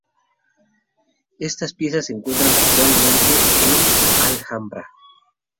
Estas piezas se encuentran actualmente en la Alhambra.